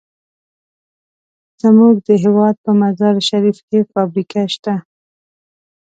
زمونږ د هېواد په مزار شریف کې فابریکه شته.